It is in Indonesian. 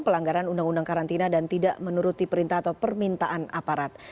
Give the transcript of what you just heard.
pelanggaran undang undang karantina dan tidak menuruti perintah atau permintaan aparat